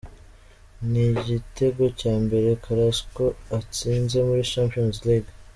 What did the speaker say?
Ni igitego cya mbere Carrasco atsinze muri champions league.